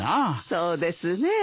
そうですね。